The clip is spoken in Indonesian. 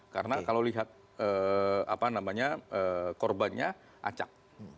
karena kalau lihat korbannya acak